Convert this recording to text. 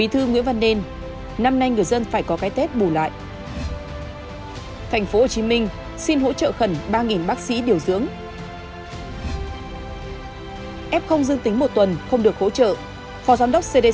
hãy đăng ký kênh để ủng hộ kênh của chúng mình nhé